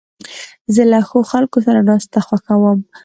زه له ښو خلکو سره ناستې خوښوم.